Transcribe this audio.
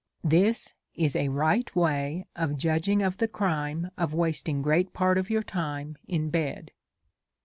This is the right way of judging of the crime of wasting great part of your time in bed.